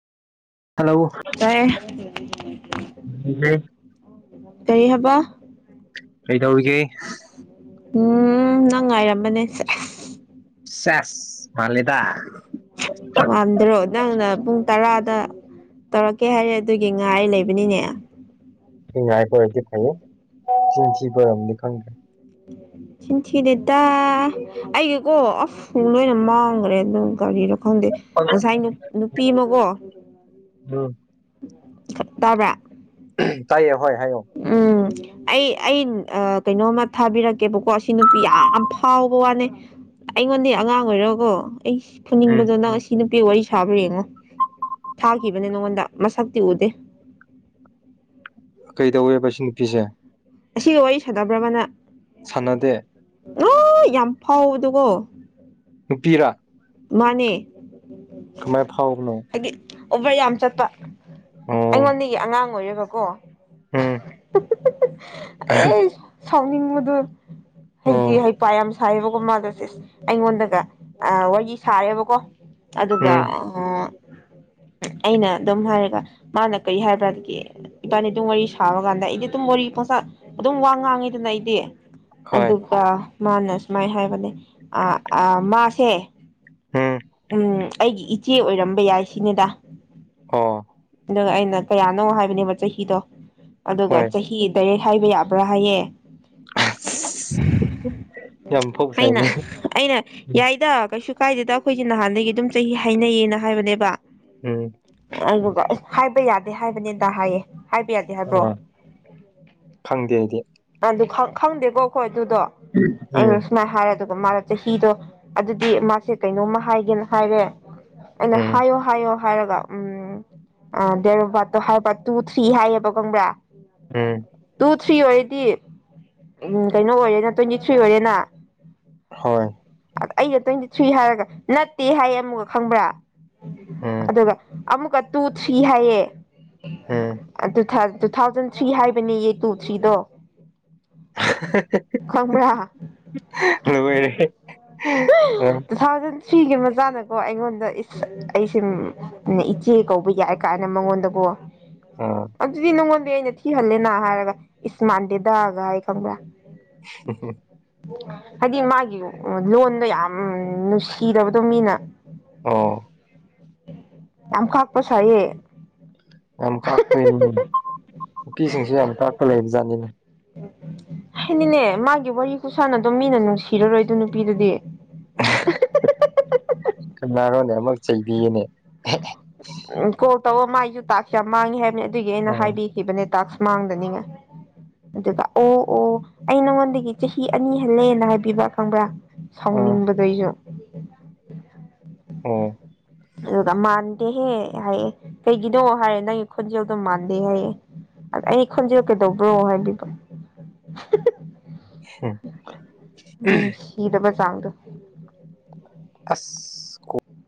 hello ꯇꯥꯏ ꯀꯦꯔꯤ ꯍꯕ ꯀꯩꯗꯧꯔꯤꯒꯦ ꯎꯝ ꯅꯪ ꯉꯥꯏꯔꯃꯅꯦ ꯁꯦꯁ ꯃꯥꯜꯗ ꯃꯝꯗ꯭ꯔꯣ ꯅꯪꯅ ꯄꯨꯡ ꯇꯔꯥ ꯇꯧꯔꯛꯀꯦ ꯍꯥꯏꯔꯦ ꯑꯗꯨꯒꯤ ꯉꯥ ꯑꯩ ꯂꯩꯕꯅꯤꯅꯦ ꯍ ꯉꯥꯏ ꯀꯗꯤ ꯈ ꯆꯁꯤꯤ ꯄꯔꯝꯗꯤ ꯈꯪꯈ꯭ꯔꯦ ꯆꯤꯟꯊꯤꯗꯦꯇꯥ ꯑꯩꯒꯤꯀꯣ ꯑꯐ ꯂꯣꯏꯅ ꯃꯥꯡꯈ꯭ꯔꯦ ꯑꯗꯨꯝ ꯒꯥꯔꯤꯔꯣ ꯈꯪꯗꯦ ꯉꯁꯥꯏ ꯅꯨꯄꯤ ꯑꯃꯒꯣ ꯎꯝ ꯇꯕ ꯇꯥꯏꯌꯦ ꯍꯣꯏ ꯍꯥꯏꯌꯣ ꯑꯩ ꯑꯩ ꯀꯩꯅꯣꯝꯃ ꯊꯥꯕꯤꯔꯛꯀꯦꯕꯀꯣ ꯁꯤ ꯅꯨꯄꯤ ꯌꯥꯝ ꯐꯥꯎꯕ ꯋꯥꯅꯦ ꯑꯩꯉꯣꯟꯗꯤ ꯑꯉꯥꯡ ꯑꯣꯏꯔꯣꯀꯣ ꯑꯩ ꯎꯝ ꯐꯅꯤꯡꯕꯗꯣ ꯅꯪ ꯁꯤꯅ ꯤ ꯋꯥꯔꯤ ꯁꯥꯕ ꯌꯦꯡꯉꯣ ꯊꯥꯈꯤꯕꯅꯦ ꯅꯉꯣꯟꯗ ꯃꯁꯛꯇꯤ ꯎꯗꯦ [inaudible] ꯀꯩꯗꯧꯋꯦꯕ ꯁꯤ ꯅꯨꯄꯤꯁꯦ ꯑꯁꯤꯒ ꯋꯥꯔꯤ ꯁꯥꯥꯟꯅꯕ꯭ꯔꯃꯅ ꯁꯥꯟꯅꯗꯦ ꯔꯣꯏ ꯌꯥꯝ ꯐꯥꯎꯕꯗꯨꯒꯣ ꯅꯨꯄꯤꯔꯥ ꯃꯅꯦ ꯀꯃꯥꯏ ꯐꯥꯎꯒꯅꯣ ꯑꯣꯕꯔ ꯌꯥꯝ ꯆꯠꯄ ꯑꯩꯉꯣꯟꯗꯒꯤ ꯑꯉꯥꯡ ꯑꯣꯏꯔꯦꯕꯀꯣ ꯎꯝ ꯑꯩ ꯁꯥꯎꯅꯤꯡꯕꯗꯨ ꯍꯩꯇꯤ ꯑꯣ ꯍꯩꯄ ꯌꯥꯝ ꯁꯥꯏꯌꯦꯕꯒꯨꯝ ꯃꯥꯗ ꯑꯩꯉꯣꯟꯗꯒ ꯋꯥꯔꯤ ꯁꯥꯔꯦꯕꯀꯣ ꯑꯗꯨꯒ ꯎꯝ ꯑꯥ [inaudible] ꯑꯩꯅ ꯑꯗꯨꯝ ꯍꯥꯏꯔꯒ ꯃꯥꯅ ꯀꯔꯤ ꯍꯥꯏꯕ꯭ꯔꯥꯗꯒꯤ ꯏꯕꯥꯅꯤ ꯑꯗꯨꯝ ꯋꯥꯔꯤ ꯁꯥꯕꯀꯥꯟꯗ ꯑꯩꯗꯤ ꯑꯗꯨꯝ ꯋꯥꯔꯤ ꯄꯣꯡꯁꯥꯠ ꯑꯗꯨꯝ ꯋꯥ ꯉꯥꯡꯉꯤꯗꯅ ꯑꯩꯗꯤ ꯍꯣꯏ ꯑꯗꯨꯒ ꯃꯥꯅ ꯁꯨꯃꯥꯏ ꯍꯥꯏꯕꯅꯦ ꯑ ꯃꯥꯁꯦ ꯎꯝ ꯎꯝ ꯑꯩꯒꯤ ꯏꯆꯦ ꯑꯣꯏꯔꯝꯕ ꯌꯥꯏ ꯁꯤꯅꯤꯗ ꯑꯣ ꯑꯗꯨꯒ ꯑꯩꯅ ꯀꯌꯥꯅꯣ ꯍꯥꯏꯕꯅꯦꯕ ꯆꯍꯤꯗꯣ ꯑꯗꯨꯒ ꯍꯣꯏ ꯆꯍꯤ ꯗꯥꯏꯔꯦꯛ ꯍꯥꯏꯕ ꯌꯥꯕ꯭ꯔꯥ ꯍꯥꯏꯌꯦ ꯑ [unintelligible] ꯑꯩꯅ ꯐꯥꯎꯁꯥꯏꯅꯦ ꯑꯩꯅ ꯎꯝ ꯌꯥꯏꯗ ꯀꯩꯁꯨ ꯀꯥꯏꯗ‌ꯦꯗ ꯑꯩꯈꯣꯏꯁ ꯅꯍꯥꯟꯗꯒꯤ ꯑꯗꯨꯝ ꯆꯍꯤ ꯍꯥꯏꯅꯩꯌꯦꯅ ꯍꯥꯏꯕꯅꯦꯕ ꯎꯝ ꯑꯗꯨꯒ ꯑꯦ ꯍꯥꯏꯕ ꯌꯥꯗꯦ ꯍꯥꯏꯕꯅꯤꯗ ꯍꯥꯏꯌꯦ ꯍꯥꯏꯕ ꯌꯥꯗꯦ ꯍꯥꯏꯕ꯭ꯔꯣ ꯑ ꯈꯪꯗꯦ ꯑꯩꯗꯤ ꯅꯪꯗꯨ ꯈꯪ ꯈꯪꯗꯦꯀꯣ ꯑꯩꯈꯣꯏ ꯑꯗꯨꯗꯣ ꯎꯝ ꯑꯩꯅ ꯁꯨꯃꯥꯏꯅ ꯍꯥꯏꯔꯦ ꯑꯗꯨꯒ ꯃꯥꯅ ꯆꯍꯤꯗꯣ ꯑꯗꯨꯗꯤ ꯃꯥꯁꯦ ꯀꯩꯅꯣꯝꯃ ꯍꯥꯏꯒꯦꯅ ꯍꯥꯏꯔꯦ ꯑꯩꯅ ꯎꯝ ꯍꯥꯏꯌꯣ ꯍꯥꯏꯌꯣ ꯍꯥꯏꯔꯒ ꯎꯝ ꯗꯦꯔꯣꯠꯇꯣ ꯍꯥꯏꯕ ꯇꯨ ꯊ꯭ꯔꯤ ꯍꯥꯏꯌꯦꯕ ꯈꯪꯕ꯭ꯔꯥ ꯎꯝ ꯇꯨ ꯊ꯭ꯔꯤ ꯑꯣꯏꯔꯗꯤ ꯎꯝ ꯀꯩꯅꯣ ꯑꯣꯏꯔꯦꯅ ꯇ꯭ꯋꯦꯟꯇꯤ ꯊ꯭ꯔꯤ ꯑꯣꯏꯔꯦꯅ ꯍꯣꯏ ꯑꯩꯅ ꯇ꯭ꯋꯦꯟꯇꯤ ꯊ꯭ꯔꯤ ꯍꯥꯏꯔꯒ ꯅꯠꯇꯦ ꯍꯥꯏꯌꯦ ꯑꯃꯨꯛꯒ ꯈꯪꯕ꯭ꯔꯥ ꯎꯝ ꯑꯗꯨꯒ ꯑꯃꯨꯛꯀ ꯇꯨ ꯊ꯭ꯔꯤ ꯍꯥꯏꯌꯦ ꯎꯝ ꯑꯗꯨ ꯊꯥꯎ ꯇꯨ ꯊꯥꯎꯖꯟ ꯊ꯭ꯔꯤ ꯍꯥꯏꯕꯅꯦꯌꯦ ꯇꯨ ꯊ꯭ꯔꯤꯗꯣ ꯈꯪꯕ꯭ꯔꯥ ꯂꫭꯏꯔ‌ꯦꯍ‌ꯦ ꯇꯨꯊꯥꯎꯖꯟ ꯊꯔꯤꯒꯤ ꯃꯆꯥꯅꯀꯣ ꯑꯩꯉꯣꯟꯗ ꯑꯩꯁꯦ ꯏꯆꯦ ꯀꯧꯕ ꯌꯥꯏ ꯀꯥꯏꯅ ꯃꯉꯣꯟꯗꯀꯣ ꯑ ꯑꯗꯨꯗꯤ ꯅꯪꯉꯣꯟꯗꯩ ꯑꯩꯅ ꯊꯤꯍꯜꯂꯦꯅ ꯍꯥꯏꯔꯒ ꯏꯁꯃꯥꯟꯗ‌ꯦꯗꯥ ꯒꯥꯏ ꯈꯪꯕ꯭ꯔꯥ [unintelligible] ꯍꯥꯏꯗꯤ ꯃꯥꯒꯤ ꯂꯣꯟꯗꯣ ꯌꯥꯝ ꯅꯨꯡꯁꯤꯗꯕꯗꯣ ꯃꯤꯅ ꯑꫭ ꯌꯥꯝ ꯀꯥꯛꯄ ꯁꯥꯏꯌꯦ ꯌꯥꯝ ꯀꯥꯛꯄꯩꯅꯤ ꯅꯨꯄꯤꯁꯤꯡꯁꯨ ꯌꯥꯝ ꯀꯥꯛꯄ ꯂꯩꯕ ꯖꯥꯠꯅꯤꯅꯦ ꯍꯥꯏꯗꯤꯅꯦ ꯃꯥꯒꯤ ꯋꯥꯔꯤ ꯈꯨꯁꯥꯟꯅꯗꫭ ꯃꯤꯅ ꯅꯨꯡꯁꯤꯔꯔꯣꯏ ꯑꯗꯨ ꯅꯨꯄꯤꯗꯨꯗꯤ ꯀꯅꯥꯅꯣꯅꯦ ꯑꯃꯨꯛ ꯆꯩꯕꯤꯒꯅꯦ ꯎꯝ ꯀꯣꯜ ꯇꯧꯋꫭ ꯃꯥꯏꯁꯨ ꯇꯥꯛꯁꯦ ꯌꯥꯝ ꯃꯥꯡꯉꯦ ꯍꯥꯏꯕꯅꯦ ꯑꯗꯨꯒꯤ ꯑꯩꯅ ꯑꯥ ꯍꯥꯏꯕꯤꯈꯤꯕꯅꯦ ꯇꯥꯛꯁ ꯃꯥꯥꯡꯗꯅꯤꯉꯥꯏ ꯑꯗꯨꯒ ꯑꯣ ꯑꯣ ꯑꯩ ꯅꯪꯉꯣꯟꯗꯒꯤ ꯆꯍꯤ ꯑꯅꯤ ꯍꯜꯂꯦꯅ ꯍꯥꯏꯕꯤꯕꯥ ꯐꯪꯕ꯭ꯔꯥ ꯑꯥ ꯁꯥꯎꯅꯤꯡꯕꯗꯩꯁꯨ ꯑꯣ ꯑꯗꯨꯒ ꯃꯥꯟꯗꯦꯍꯦ ꯍꯥꯏꯌꯦꯦ ꯀꯩꯒꯤꯅꯣ ꯍꯥꯏꯔꯦ ꯅꯪꯒꯤ ꯈꯣꯟꯖꯦꯜꯗꯣ ꯃꯥꯟꯗꯦ ꯍꯥꯏꯌꯦꯦ ꯑꯗꯩ ꯑꯩ ꯈꯣꯟꯖꯔꯀꯩꯗꯧꯕ꯭ꯔꯣ ꯍꯥꯏꯕꯤꯕ [inaudible] ꯎꯝ ꯅꯨꯡꯁꯤꯗꯕ ꯆꯥꯡꯗꯣ ꯑꯁ ꯀꯣ